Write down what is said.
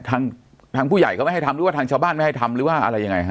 ทางทางผู้ใหญ่เขาไม่ให้ทำหรือว่าทางชาวบ้านไม่ให้ทำหรือว่าอะไรยังไงฮะ